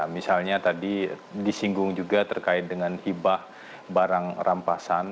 misalnya tadi disinggung juga terkait dengan hibah barang rampasan